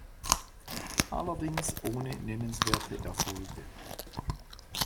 Allerdings ohne nennenswerte Erfolge.